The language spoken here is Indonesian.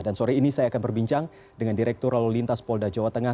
dan sore ini saya akan berbincang dengan direktur lalu lintas polda jawa tengah